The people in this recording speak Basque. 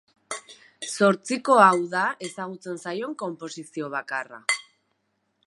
Zortziko hau da ezagutzen zaion konposizio bakarra.